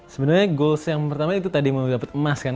sebenarnya goals yang pertama itu tadi mau dapet emas kan